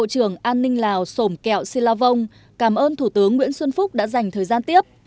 hình lào sổm kẹo si lao vong cảm ơn thủ tướng nguyễn xuân phúc đã dành thời gian tiếp